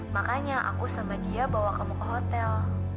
makanya aku sama dia bawa kamu ke hotel